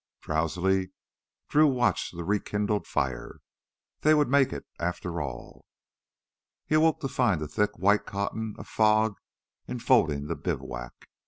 Drowsily Drew watched the rekindled fire. They would make it, after all. He awoke to find a thick white cotton of fog enfolding the bivouac.